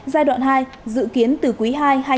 giai đoạn hai dự kiến từ quý hai hai nghìn hai mươi hai